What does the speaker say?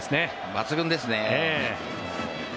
抜群ですね。